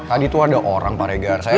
tadi tuh ada orang pak regar